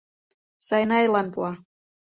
Сайнайлан пуа.